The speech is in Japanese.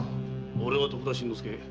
俺は徳田新之助。